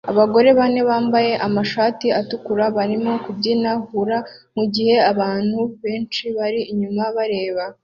Abagore bane bambaye amashati atukura barimo kubyina hula mugihe abantu benshi bari inyuma bareba